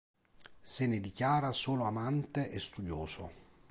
Se ne dichiara solo amante e studioso.